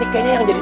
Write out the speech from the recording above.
kayaknya yang jadi